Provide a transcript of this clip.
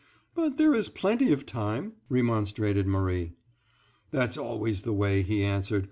"But there is plenty of time," remonstrated Marie. "That's always the way," he answered.